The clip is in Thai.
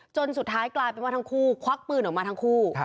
จนสุดท้ายกลายเป็นว่าทั้งคู่ควักปืนออกมาทั้งคู่